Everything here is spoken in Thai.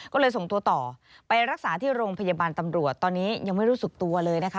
ก็เลยส่งตัวต่อไปรักษาที่โรงพยาบาลตำรวจตอนนี้ยังไม่รู้สึกตัวเลยนะคะ